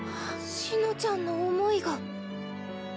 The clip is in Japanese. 紫乃ちゃんの思いが。